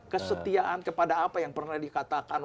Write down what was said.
kesetiaan kepada apa yang pernah dikatakan